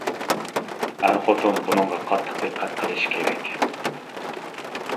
ئەر-خوتۇن بۇنىڭغا قاتتىق دىققەت قىلىشى كېرەك.